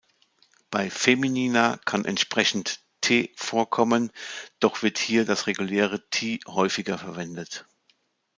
Bei Feminina kann entsprechend tə- vorkommen, doch wird hier das reguläre ti- häufiger verwendet.